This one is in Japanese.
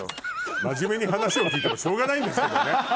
真面目に話を聞いてもしょうがないんですけどね。